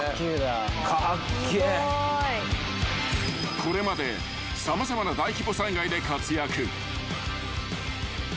［これまで様々な大規模災害で活躍］